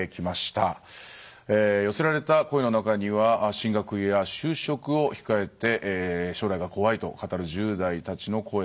寄せられた声の中には進学や就職を控えて将来が怖いと語る１０代たちの声も届いています。